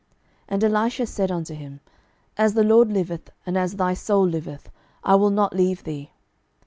And Elisha said unto him, As the LORD liveth, and as thy soul liveth, I will not leave thee.